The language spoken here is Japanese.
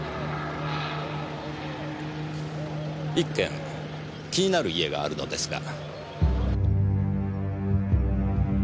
一軒気になる家があるのですが。